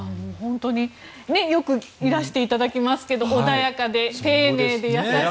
よくいらしていただきますが穏やかで丁寧で優しくて。